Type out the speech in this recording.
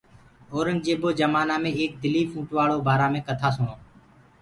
اورنٚگجيبو جمآنآ مي ايڪ دليٚڦ اوٽواݪو بآرآ مي ڪٿا سُڻو